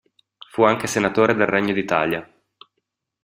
Fu anche senatore del Regno d'Italia.